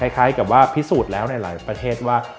คล้ายกับว่าพิสูจน์แล้วในหลายประเทศว่า